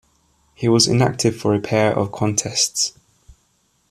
He was inactive for a pair of contests.